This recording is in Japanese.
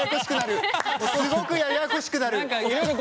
すごくややこしくなる！